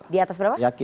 di atas berapa